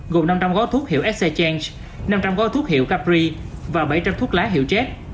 gồm năm trăm linh gói thuốc hiệu xc change năm trăm linh gói thuốc hiệu capri và bảy trăm linh thuốc lá hiệu jet